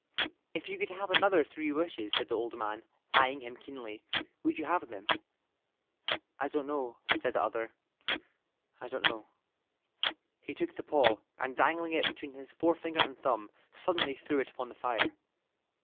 "If you could have another three wishes," said the old man, eyeing him keenly, "would you have them?" "I don't know," said the other. "I don't know." He took the paw, and dangling it between his forefinger and thumb, suddenly threw it upon the fire.